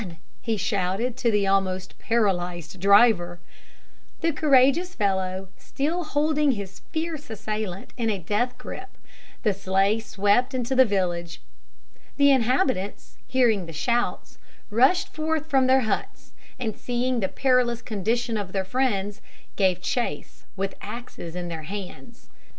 he shouted to the almost paralysed driver. The courageous fellow still holding his fierce assailant in a death gripe, the sleigh swept into the village. The inhabitants, hearing the shouts, rushed forth from their huts, and seeing the perilous condition of their friends, gave chase with axes in their hands.